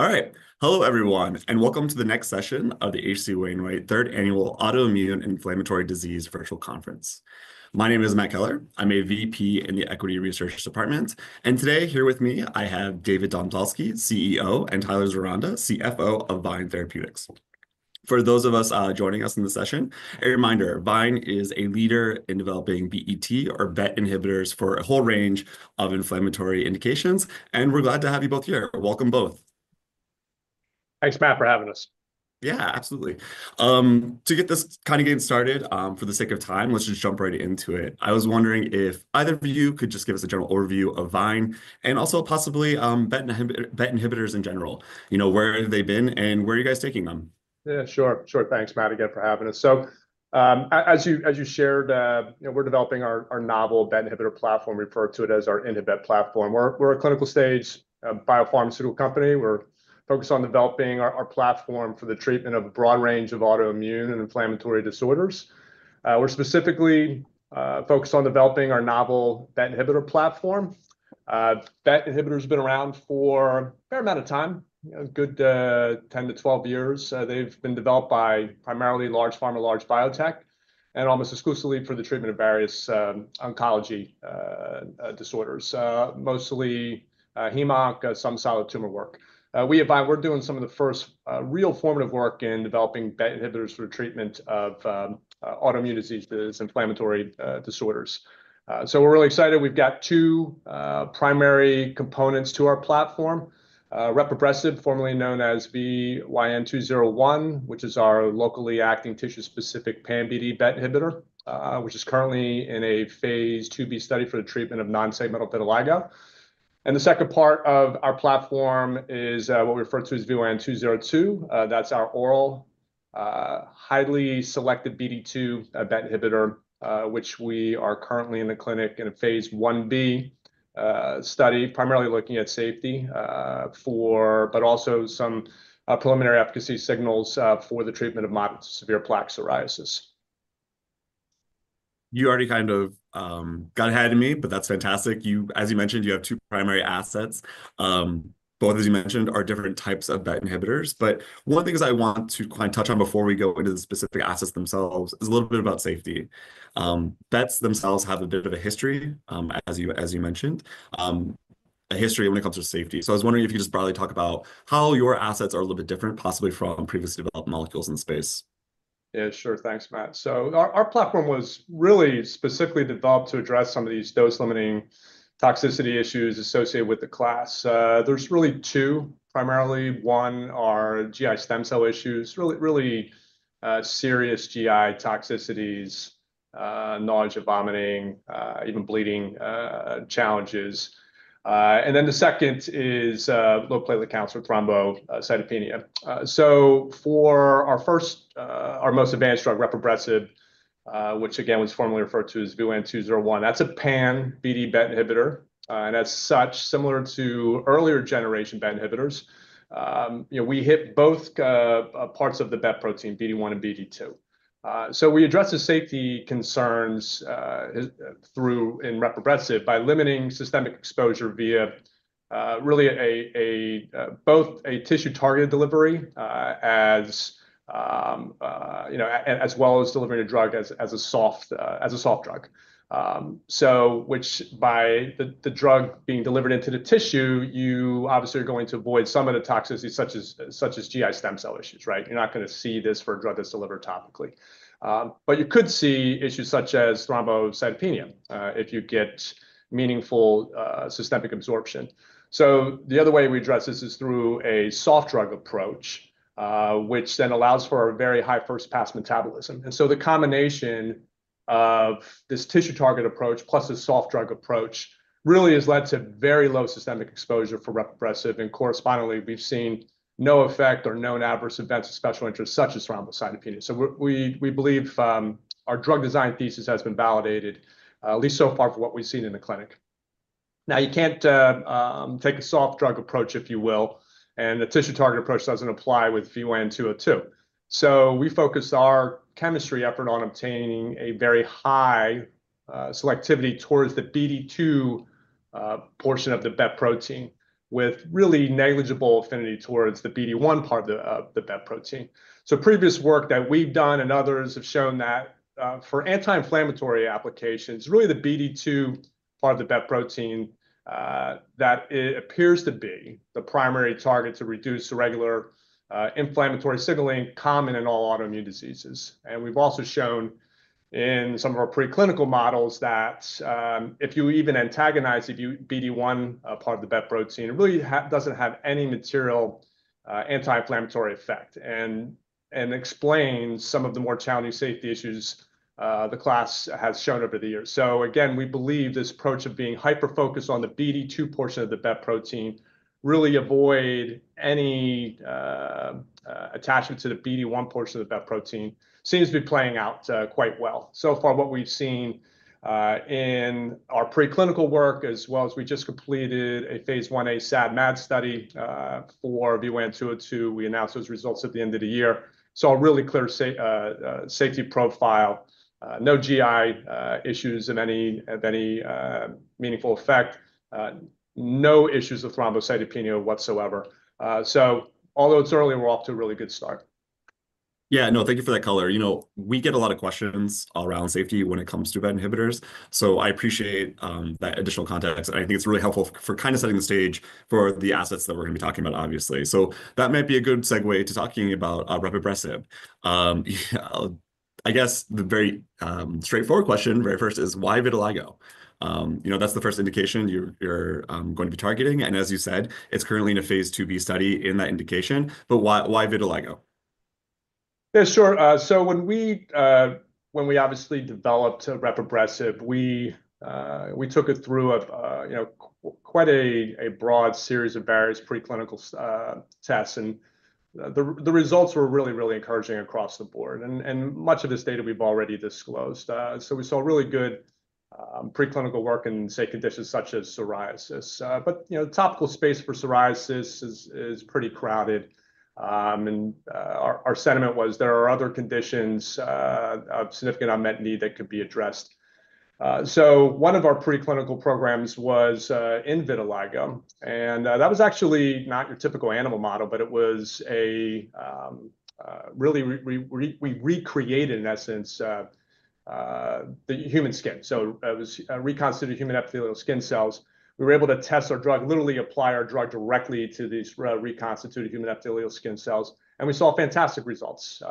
All right. Hello, everyone, and welcome to the next session of the H.C. Wainwright 3rd Annual Autoimmune & Inflammatory Disease Virtual Conference. My name is Matt Keller. I'm a VP in the Equity Research Department. Today here with me, I have David Domzalski, CEO, and Tyler Zeronda, CFO of VYNE Therapeutics. For those of us joining us in the session, a reminder, VYNE is a leader in developing BET, or BET inhibitors, for a whole range of inflammatory indications. We're glad to have you both here. Welcome both. Thanks, Matt, for having us. Yeah, absolutely. To get this kind of getting started, for the sake of time, let's just jump right into it. I was wondering if either of you could just give us a general overview of VYNE and also possibly BET inhibitors in general. You know, where have they been and where are you guys taking them? Yeah, sure. Thanks, Matt, again for having us. As you shared, we're developing our novel BET Inhibitor Platform. We refer to it as our InhiBET platform. We're a clinical stage biopharmaceutical company. We're focused on developing our platform for the treatment of a broad range of autoimmune and inflammatory disorders. We're specifically focused on developing our novel BET Inhibitor Platform. BET inhibitors have been around for a fair amount of time, a good 10 years-12 years. They've been developed by primarily large pharma and large biotech, and almost exclusively for the treatment of various oncology disorders, mostly hem-onc, some solid tumor work. We're doing some of the first real formative work in developing BET inhibitors for the treatment of autoimmune diseases, inflammatory disorders. We're really excited. We've got two primary components to our platform: Repibresib, formerly known as VYN201, which is our locally acting tissue-specific pan-BD BET inhibitor, which is currently Phase IIb study for the treatment of non-segmental vitiligo. The second part of our platform is what we refer to as VYN202. That's our oral highly selective BD2 BET inhibitor, which we are currently in the clinic in a Phase Ib study, primarily looking at safety, but also some preliminary efficacy signals for the treatment of moderate to severe plaque psoriasis. You already kind of got ahead of me, but that's fantastic. As you mentioned, you have two primary assets. Both, as you mentioned, are different types of BET inhibitors. One of the things I want to kind of touch on before we go into the specific assets themselves is a little bit about safety. BETs themselves have a bit of a history, as you mentioned, a history when it comes to safety. I was wondering if you could just broadly talk about how your assets are a little bit different, possibly from previously developed molecules in the space. Yeah, sure. Thanks, Matt. Our platform was really specifically developed to address some of these dose-limiting toxicity issues associated with the class. There are really two, primarily. One is GI stem cell issues, really serious GI toxicities, nausea, vomiting, even bleeding challenges. The second is low platelet counts or thrombocytopenia. For our first, our most advanced drug, Repibresib, which again was formerly referred to as VYN201, that's a pan-BD BET inhibitor. As such, similar to earlier generation BET inhibitors, we hit both parts of the BET protein, BD1 and BD2. We address the safety concerns through Repibresib by limiting systemic exposure via both a tissue-targeted delivery as well as delivering the drug as a soft drug. By the drug being delivered into the tissue, you obviously are going to avoid some of the toxicities, such as GI stem cell issues, right? You're not going to see this for a drug that's delivered topically. You could see issues such as thrombocytopenia if you get meaningful systemic absorption. The other way we address this is through a soft drug approach, which then allows for a very high first-pass metabolism. The combination of this tissue-target approach plus a soft drug approach really has led to very low systemic exposure for Repibresib. Correspondingly, we've seen no effect or known adverse events of special interest, such as thrombocytopenia. We believe our drug design thesis has been validated, at least so far for what we've seen in the clinic. You can't take a soft drug approach, if you will, and the tissue-target approach doesn't apply with VYN202. We focused our chemistry effort on obtaining a very high selectivity towards the BD2 portion of the BET protein, with really negligible affinity towards the BD1 part of the BET protein. Previous work that we've done and others have shown that for anti-inflammatory applications, really the BD2 part of the BET protein, that it appears to be the primary target to reduce irregular inflammatory signaling common in all autoimmune diseases. We've also shown in some of our preclinical models that if you even antagonize BD1 part of the BET protein, it really doesn't have any material anti-inflammatory effect and explains some of the more challenging safety issues the class has shown over the years. Again, we believe this approach of being hyper-focused on the BD2 portion of the BET protein really avoids any attachment to the BD1 portion of the BET protein, seems to be playing out quite well. So far, what we've seen in our preclinical work, as well as we just completed Phase Ia SAD-MAD study for VYN202, we announced those results at the end of the year. A really clear safety profile, no GI issues of any meaningful effect, no issues of thrombocytopenia whatsoever. Although it's early, we're off to a really good start. Yeah, no, thank you for that, Tyler. You know, we get a lot of questions around safety when it comes to BET inhibitors. I appreciate that additional context. I think it's really helpful for kind of setting the stage for the assets that we're going to be talking about, obviously. That might be a good segue to talking about Repibresib. I guess the very straightforward question right first is, why vitiligo? That's the first indication you're going to be targeting. As you said, it's currently Phase IIb study in that indication. Why vitiligo? Yeah, sure. When we obviously developed Repibresib, we took it through quite a broad series of various preclinical tests. The results were really, really encouraging across the board. Much of this data we've already disclosed. We saw really good preclinical work in safe conditions, such as psoriasis. The topical space for psoriasis is pretty crowded. Our sentiment was there are other conditions of significant unmet need that could be addressed. One of our preclinical programs was in vitiligo. That was actually not your typical animal model, but it was a really, we recreated, in essence, the human skin. It was reconstituted human epithelial skin cells. We were able to test our drug, literally apply our drug directly to these reconstituted human epithelial skin cells. We saw fantastic results.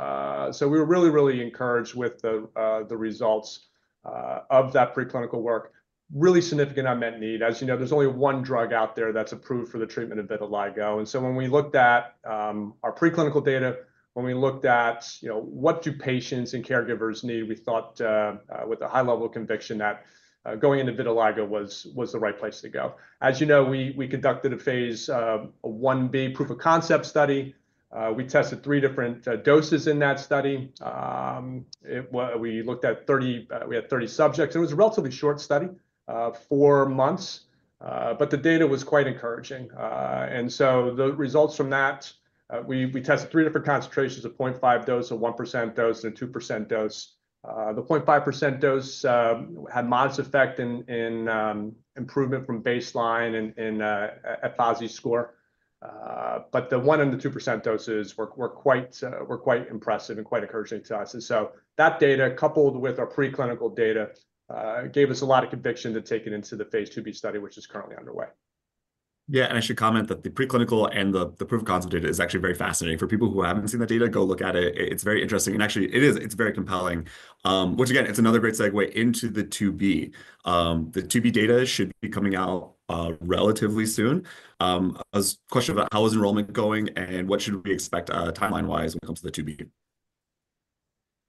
We were really, really encouraged with the results of that preclinical work. Really significant unmet need. As you know, there's only one drug out there that's approved for the treatment of vitiligo. When we looked at our preclinical data, when we looked at what do patients and caregivers need, we thought with a high level of conviction that going into vitiligo was the right place to go. As you know, we conducted a Phase Ib proof of concept study. We tested three different doses in that study. We looked at 30 subjects. It was a relatively short study, four months. The data was quite encouraging. The results from that, we tested three different concentrations of 0.5% dose, a 1% dose, and a 2% dose. The 0.5% dose had modest effect in improvement from baseline and F-VASI score. The 1% and the 2% doses were quite impressive and quite encouraging to us. That data, coupled with our preclinical data, gave us a lot of conviction to take it Phase IIb study, which is currently underway. Yeah, I should comment that the preclinical and the proof of concept data is actually very fascinating. For people who haven't seen that data, go look at it. It's very interesting. Actually, it is, it's very compelling. Which, again, it's another great segue into the IIb. The IIb data should be coming out relatively soon. A question about how is enrollment going and what should we expect timeline-wise when it comes to the IIb?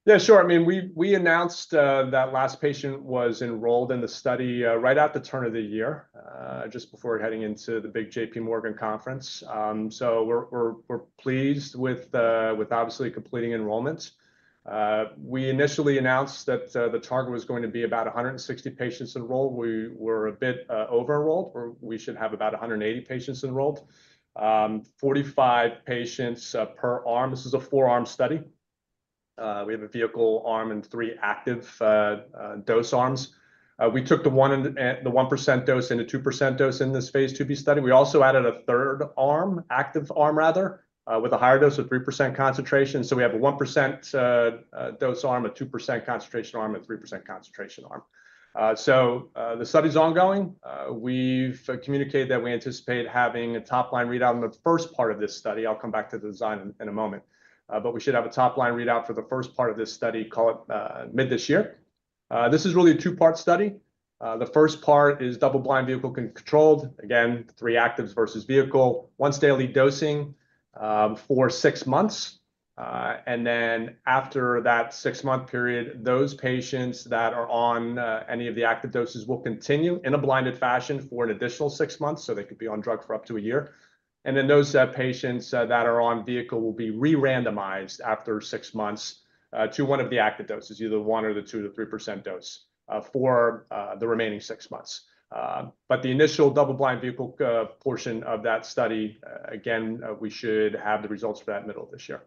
Yeah, sure. I mean, we announced that last patient was enrolled in the study right at the turn of the year, just before heading into the big JPMorgan conference. We are pleased with obviously completing enrollment. We initially announced that the target was going to be about 160 patients enrolled. We were a bit over-enrolled. We should have about 180 patients enrolled, 45 patients per arm. This is a four-arm study. We have a vehicle arm and three active dose arms. We took the 1% dose and the 2% dose Phase IIb study. we also added a third arm, active arm rather, with a higher dose of 3% concentration. We have a 1% dose arm, a 2% concentration arm, and a 3% concentration arm. The study's ongoing. We have communicated that we anticipate having a top-line readout in the first part of this study. I'll come back to the design in a moment. We should have a top-line readout for the first part of this study, call it mid this year. This is really a two-part study. The first part is double-blind vehicle controlled, again, three actives versus vehicle, once daily dosing for six months. After that six-month period, those patients that are on any of the active doses will continue in a blinded fashion for an additional six months. They could be on drug for up to a year. Those patients that are on vehicle will be re-randomized after six months to one of the active doses, either one or the 2% or 3% dose for the remaining six months. The initial double-blind vehicle portion of that study, again, we should have the results for that middle of this year.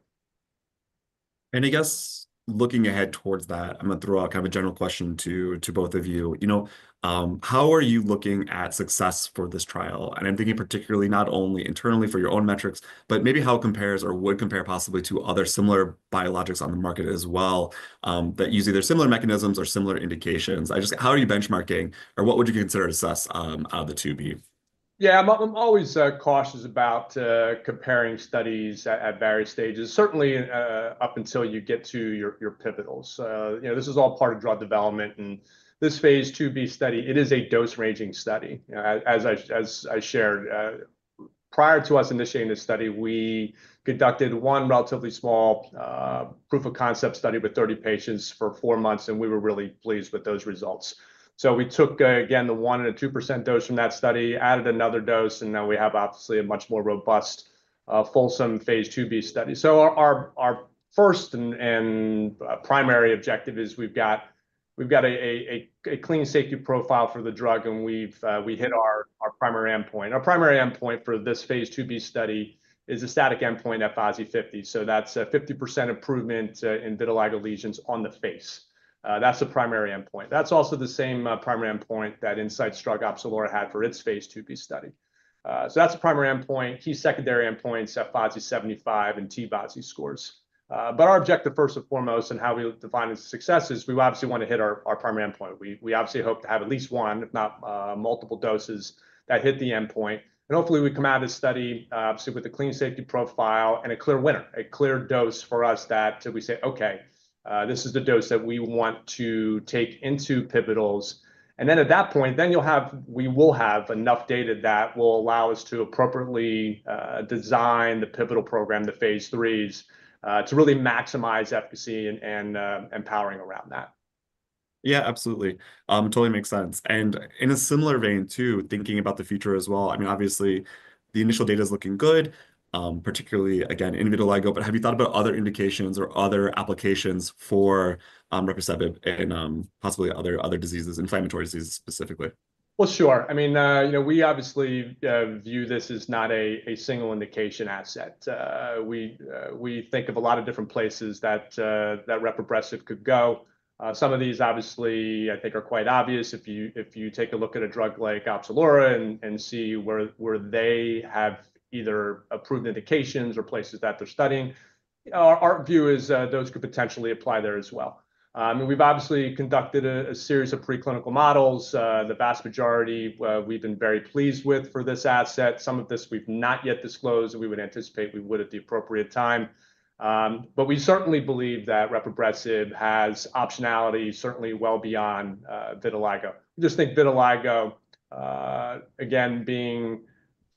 I guess looking ahead towards that, I'm going to throw out kind of a general question to both of you. You know, how are you looking at success for this trial? I'm thinking particularly not only internally for your own metrics, but maybe how it compares or would compare possibly to other similar biologics on the market as well that use either similar mechanisms or similar indications. How are you benchmarking or what would you consider to assess the IIb? Yeah, I'm always cautious about comparing studies at various stages, certainly up until you get to your pivotals. This is all part of drug Phase IIb study, it is a dose-arranging study. As I shared, prior to us initiating this study, we conducted one relatively small proof of concept study with 30 patients for four months. We were really pleased with those results. We took, again, the 1% and the 2% dose from that study, added another dose. Now we have obviously a much more Phase IIb study. our first and primary objective is we've got a clean safety profile for the drug. We hit our primary endpoint. Our primary endpoint Phase IIb study is a static endpoint F-VASI50. That's a 50% improvement in vitiligo lesions on the face. That's the primary endpoint. That's also the same primary endpoint that Incyte's drug Opzelura had Phase IIb study. that is the primary endpoint. Key secondary endpoints, F-VASI75 and T-VASI scores. Our objective first and foremost, and how we define success, is we obviously want to hit our primary endpoint. We obviously hope to have at least one, if not multiple doses that hit the endpoint. Hopefully, we come out of this study with a clean safety profile and a clear winner, a clear dose for us that we say, "Okay, this is the dose that we want to take into pivotals." At that point, we will have enough data that will allow us to appropriately design the pivotal program, the phase threes, to really maximize efficacy and empowering around that. Yeah, absolutely. It totally makes sense. In a similar vein too, thinking about the future as well, I mean, obviously, the initial data is looking good, particularly, again, in vitiligo. Have you thought about other indications or other applications for Repibresib and possibly other diseases, inflammatory diseases specifically? I mean, we obviously view this as not a single indication asset. We think of a lot of different places that Repibresib could go. Some of these, obviously, I think are quite obvious. If you take a look at a drug like Opzelura and see where they have either approved indications or places that they're studying, our view is those could potentially apply there as well. I mean, we've obviously conducted a series of preclinical models. The vast majority, we've been very pleased with for this asset. Some of this we've not yet disclosed. We would anticipate we would at the appropriate time. We certainly believe that Repibresib has optionality, certainly well beyond vitiligo. We just think vitiligo, again, being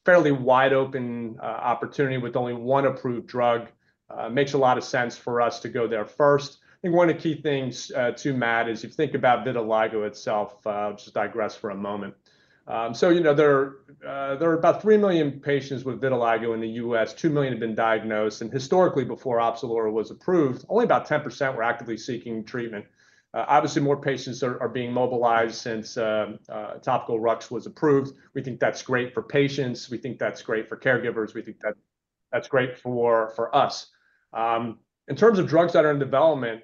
a fairly wide-open opportunity with only one approved drug, makes a lot of sense for us to go there first. I think one of the key things too, Matt, is if you think about vitiligo itself, just digress for a moment. There are about 3 million patients with vitiligo in the U.S. 2 million have been diagnosed. Historically, before Opzelura was approved, only about 10% were actively seeking treatment. Obviously, more patients are being mobilized since topical ruxolitinib was approved. We think that's great for patients. We think that's great for caregivers. We think that's great for us. In terms of drugs that are in development,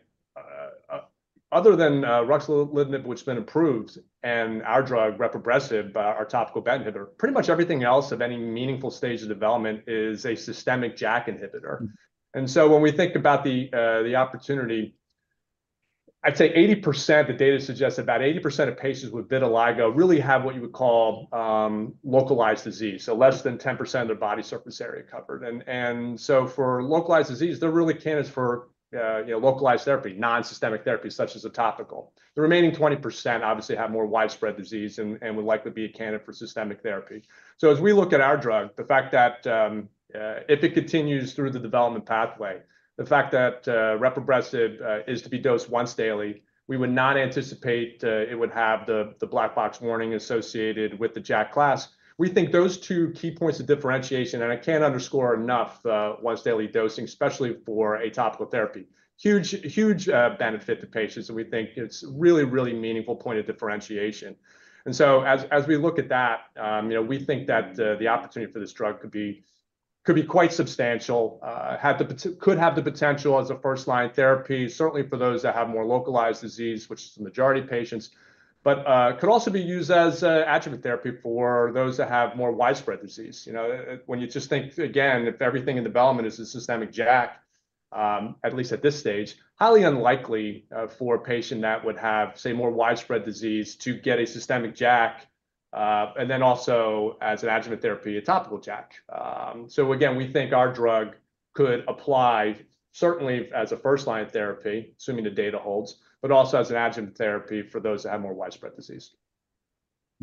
other than ruxolitinib, which has been approved, and our drug, Repibresib, our topical BET inhibitor, pretty much everything else of any meaningful stage of development is a systemic JAK inhibitor. When we think about the opportunity, I'd say 80%, the data suggests about 80% of patients with vitiligo really have what you would call localized disease, so less than 10% of their body surface area covered. For localized disease, they're really candidates for localized therapy, non-systemic therapy, such as a topical. The remaining 20% obviously have more widespread disease and would likely be a candidate for systemic therapy. As we look at our drug, the fact that if it continues through the development pathway, the fact that Repibresib is to be dosed once daily, we would not anticipate it would have the black box warning associated with the JAK class. We think those two key points of differentiation, and I can't underscore enough once daily dosing, especially for a topical therapy, huge benefit to patients. We think it's really, really meaningful point of differentiation. As we look at that, we think that the opportunity for this drug could be quite substantial, could have the potential as a first-line therapy, certainly for those that have more localized disease, which is the majority of patients, but could also be used as adjuvant therapy for those that have more widespread disease. When you just think, again, if everything in development is a systemic JAK, at least at this stage, highly unlikely for a patient that would have, say, more widespread disease to get a systemic JAK, and then also as an adjuvant therapy, a topical JAK. Again, we think our drug could apply certainly as a first-line therapy, assuming the data holds, but also as an adjuvant therapy for those that have more widespread disease.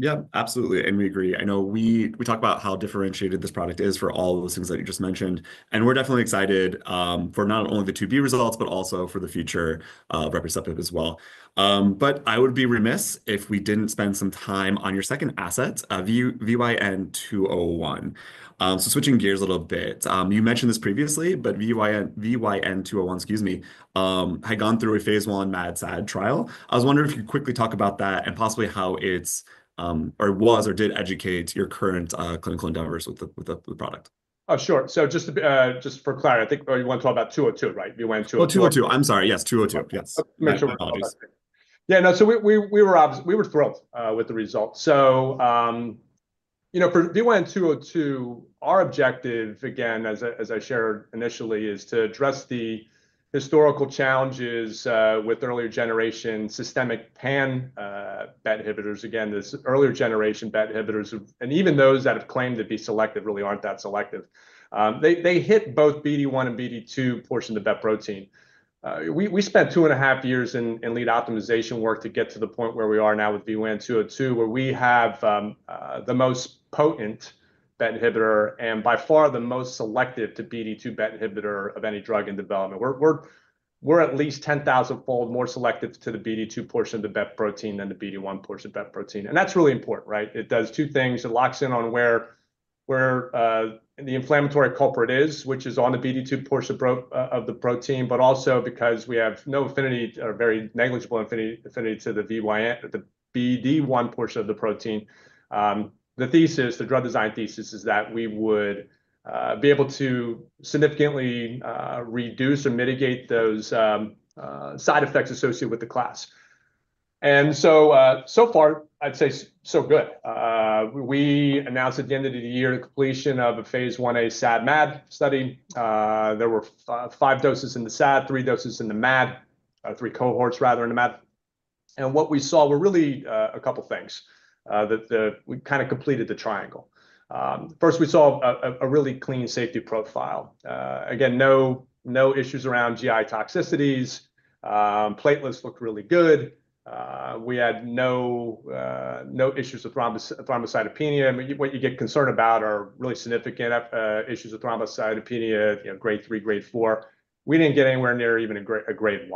Yeah, absolutely. We agree. I know we talked about how differentiated this product is for all of the things that you just mentioned. We're definitely excited for not only the IIb results, but also for the future Repibresib as well. I would be remiss if we did not spend some time on your second asset, VYN201. Switching gears a little bit, you mentioned this previously, but VYN201, excuse me, had gone through a phase one MAD-SAD trial. I was wondering if you could quickly talk about that and possibly how it was or did educate your current clinical endeavors with the product. Oh, sure. Just for clarity, I think you want to talk about 202, right? VYN202. Oh, 202. I'm sorry. Yes, 202. Yes. Yeah. No, we were thrilled with the results. For VYN202, our objective, again, as I shared initially, is to address the historical challenges with earlier generation systemic pan-BET inhibitors. Again, these earlier generation BET inhibitors, and even those that have claimed to be selective, really are not that selective. They hit both BD1 and BD2 portion of the BET protein. We spent two and a half years in lead optimization work to get to the point where we are now with VYN202, where we have the most potent BET inhibitor and by far the most selective to BD2 BET inhibitor of any drug in development. We are at least 10,000-fold more selective to the BD2 portion of the BET protein than the BD1 portion of the BET protein. That is really important, right? It does two things. It locks in on where the inflammatory culprit is, which is on the BD2 portion of the protein, but also because we have no affinity or very negligible affinity to the BD1 portion of the protein. The thesis, the drug design thesis, is that we would be able to significantly reduce or mitigate those side effects associated with the class. So far, I'd say so good. We announced at the end of the year the completion of a phase one A SAD-MAD study. There were five doses in the SAD, three doses in the MAD, three cohorts, rather, in the MAD. What we saw were really a couple of things. We kind of completed the triangle. First, we saw a really clean safety profile. Again, no issues around GI toxicities. Platelets looked really good. We had no issues with thrombocytopenia. What you get concerned about are really significant issues with thrombocytopenia, Grade 3, Grade 4. We did not get anywhere near even a Grade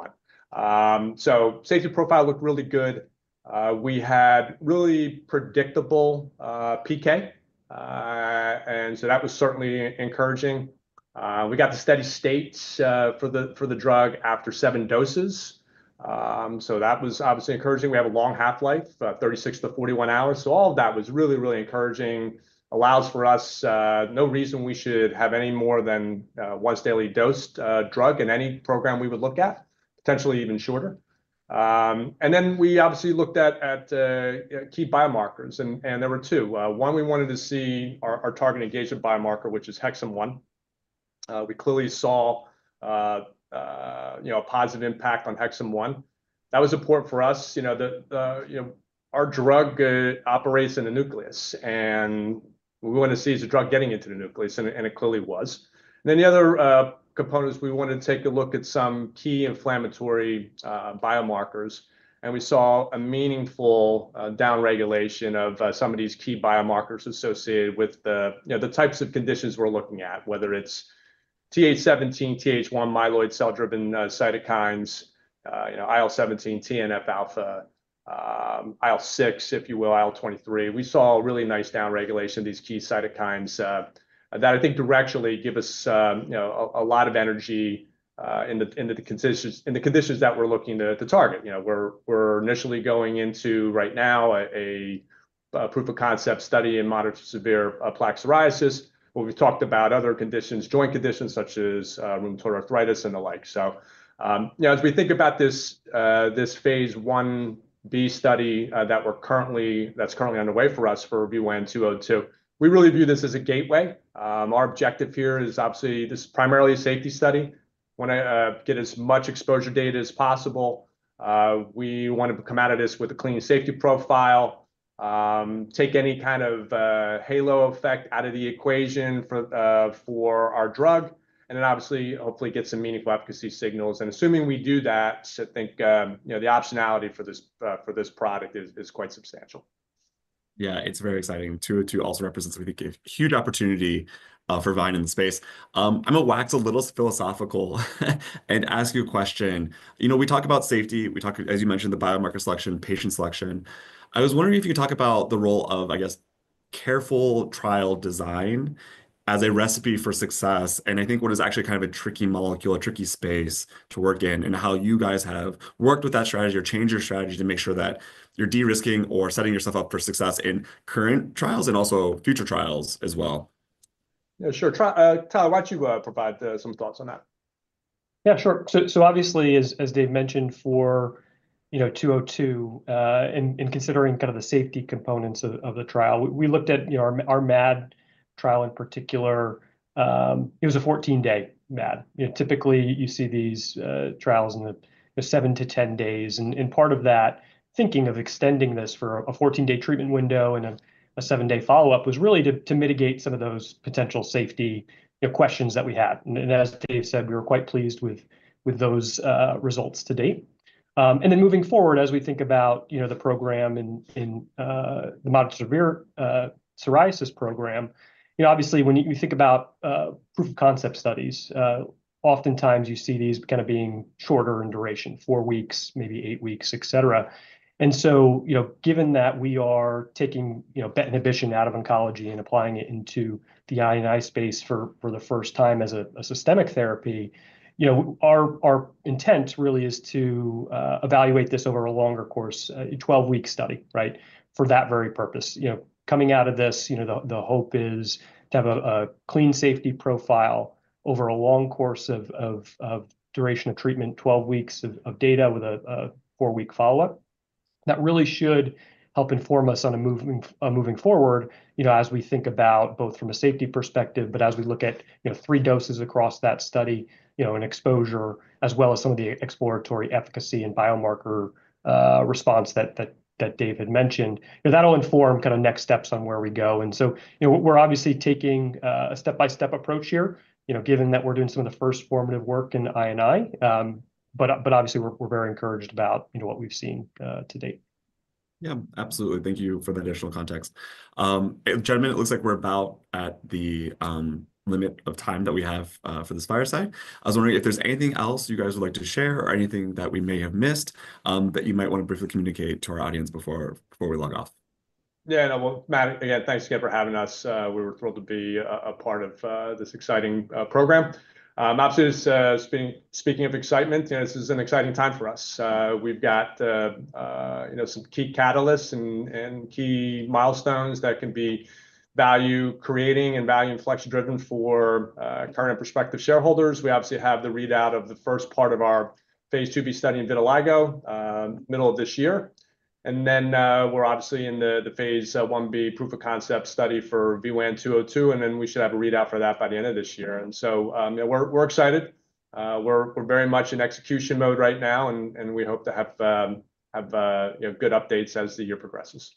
1. Safety profile looked really good. We had really predictable PK. That was certainly encouraging. We got the steady states for the drug after seven doses. That was obviously encouraging. We have a long half-life, 36 hours-41 hours. All of that was really, really encouraging. Allows for us no reason we should have any more than once daily dosed drug in any program we would look at, potentially even shorter. We obviously looked at key biomarkers. There were two. One, we wanted to see our target engagement biomarker, which is HEXIM1. We clearly saw a positive impact on HEXIM1. That was important for us. Our drug operates in the nucleus. We wanted to see is the drug getting into the nucleus. It clearly was. The other component is we wanted to take a look at some key inflammatory biomarkers. We saw a meaningful downregulation of some of these key biomarkers associated with the types of conditions we're looking at, whether it's TH17, TH1 myeloid cell-driven cytokines, IL-17, TNF alpha, IL-6, if you will, IL-23. We saw a really nice downregulation of these key cytokines that I think directionally give us a lot of energy in the conditions that we're looking to target. We're initially going into right now a proof of concept study in moderate to severe plaque psoriasis. We've talked about other conditions, joint conditions such as rheumatoid arthritis and the like. As we think about this Phase Ib study that's currently underway for us for VYN202, we really view this as a gateway. Our objective here is obviously this is primarily a safety study. We want to get as much exposure data as possible. We want to come out of this with a clean safety profile, take any kind of halo effect out of the equation for our drug, and then obviously, hopefully, get some meaningful efficacy signals. Assuming we do that, I think the optionality for this product is quite substantial. Yeah, it's very exciting. 202 also represents, we think, a huge opportunity for VYN in the space. I'm a wax a little philosophical. To ask you a question, we talk about safety. We talk, as you mentioned, the biomarker selection, patient selection. I was wondering if you could talk about the role of, I guess, careful trial design as a recipe for success. I think what is actually kind of a tricky molecule, a tricky space to work in, and how you guys have worked with that strategy or changed your strategy to make sure that you're de-risking or setting yourself up for success in current trials and also future trials as well. Yeah, sure. Tyler, why don't you provide some thoughts on that? Yeah, sure. Obviously, as David mentioned, for 202, in considering kind of the safety components of the trial, we looked at our MAD trial in particular. It was a 14-day MAD. Typically, you see these trials in the 7-10 days. Part of that thinking of extending this for a 14-day treatment window and a 7-day follow-up was really to mitigate some of those potential safety questions that we had. As David said, we were quite pleased with those results to date. Moving forward, as we think about the program in the moderate to severe psoriasis program, obviously, when you think about proof of concept studies, oftentimes you see these kind of being shorter in duration, four weeks, maybe eight weeks, etc. Given that we are taking BET inhibition out of oncology and applying it into the I&I space for the first time as a systemic therapy, our intent really is to evaluate this over a longer course, a 12-week study, right, for that very purpose. Coming out of this, the hope is to have a clean safety profile over a long course of duration of treatment, 12 weeks of data with a four-week follow-up. That really should help inform us on moving forward as we think about both from a safety perspective, but as we look at three doses across that study and exposure, as well as some of the exploratory efficacy and biomarker response that David had mentioned, that'll inform kind of next steps on where we go. We're obviously taking a step-by-step approach here, given that we're doing some of the first formative work in I&I. Obviously, we're very encouraged about what we've seen to date. Yeah, absolutely. Thank you for the additional context. Gentlemen, it looks like we're about at the limit of time that we have for this fireside. I was wondering if there's anything else you guys would like to share or anything that we may have missed that you might want to briefly communicate to our audience before we log off. Yeah. No, Matt, again, thanks again for having us. We were thrilled to be a part of this exciting program. Obviously, speaking of excitement, this is an exciting time for us. We've got some key catalysts and key milestones that can be value-creating and value inflection-driven for current and prospective shareholders. We obviously have the readout of the first part of our Phase IIb study in vitiligo middle of this year. We are obviously in the Phase Ib proof of concept study for VYN202. We should have a readout for that by the end of this year. We are excited. We are very much in execution mode right now. We hope to have good updates as the year progresses.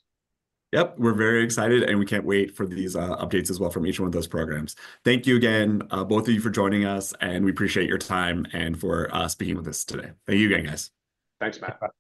Yep. We're very excited. We can't wait for these updates as well from each one of those programs. Thank you again, both of you, for joining us. We appreciate your time and for speaking with us today. Thank you again, guys. Thanks, Matt.